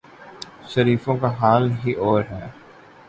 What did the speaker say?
شریفوں کا حال ہی اور ہے۔